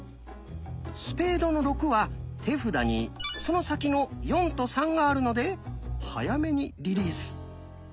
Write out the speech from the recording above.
「スペードの６」は手札にその先の「４」と「３」があるので早めにリリース。